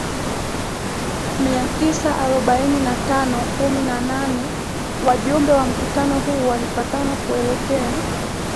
mia tisa arobaini na tano kumi na nane Wajumbe wa mkutano huu walipatana kuelekea